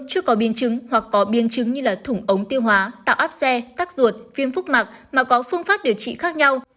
chưa có biến chứng hoặc có biến chứng như là thủng ống tiêu hóa tạo áp xe tắc ruột viêm phúc mạc mà có phương pháp điều trị khác nhau